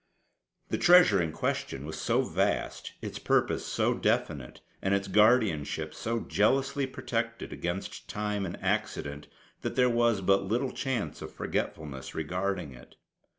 The treasure in question was so vast, its purpose so definite, and its guardianship so jealously protected against time and accident, that there was but little chance of forgetfulness regarding it.